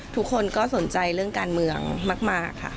ทุกคนก็สนใจเรื่องการเมืองมากค่ะ